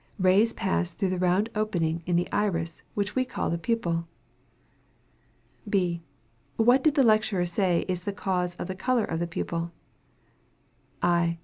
Rays pass through the round opening in the iris, which we call the pupil. B. What did the lecturer say is the cause of the color of the pupil? _I.